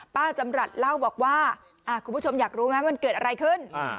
ป้าจำรัฐเล่าบอกว่าคุณผู้ชมอยากรู้ไหมมันเกิดอะไรขึ้น